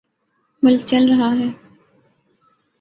ملک چل رہا ہے۔